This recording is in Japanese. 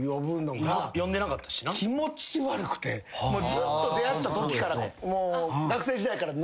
ずっと出会ったときからもう。